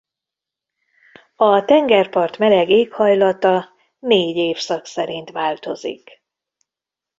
A tengerpart meleg éghajlata négy évszak szerint változik.